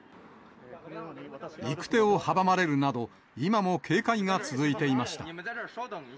行く手を阻まれるなど、今も警戒が続いていました。